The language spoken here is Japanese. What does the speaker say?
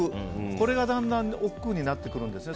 これがだんだんおっくうになってくるんですね。